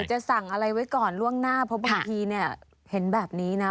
จะสั่งอะไรไว้ก่อนล่วงหน้าเพราะบางทีเนี่ยเห็นแบบนี้นะ